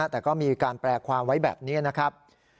แต่ก็มีการแปลความไว้แบบนี้นะครับ